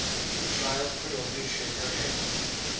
The child could only shake her head.